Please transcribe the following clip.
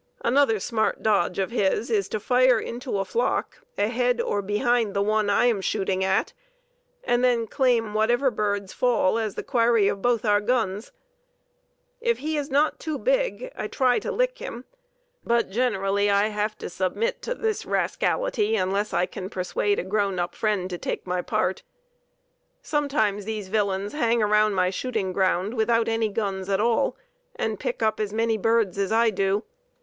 "Another smart dodge of his is to fire into a flock ahead or behind the one I am shooting at and then claim whatever birds fall as the quarry of both our guns. If he is not too big I try to lick him, but generally I have to submit to the rascality unless I can persuade a grown up friend to take my part. Sometimes these villains hang around my shooting ground without any guns at all, and pick up as many birds as I do.